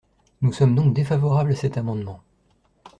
Nous sommes donc défavorables à cet amendement.